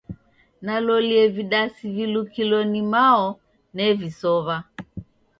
Nalolie vidasi vilukilo ni mao nevisow'a.